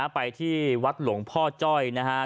ไปที่วัดหลวงพ่อจ้อยนะครับ